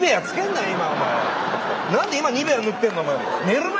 なんで今ニベア塗ってんのお前。